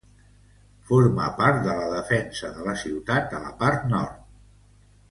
Forma part de la defensa de la ciutat a la part nord.